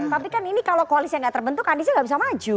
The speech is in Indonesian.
tapi kan ini kalau koalisnya gak terbentuk aniesnya nggak bisa maju